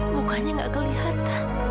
mukanya tidak terlihat